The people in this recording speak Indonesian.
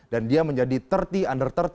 dan dia menjadi tiga puluh under tiga puluh